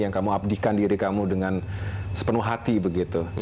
yang kamu abdikan diri kamu dengan sepenuh hati begitu